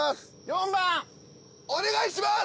４番お願いします